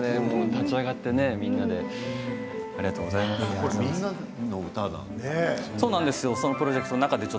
立ち上がってみんなでありがとうございます。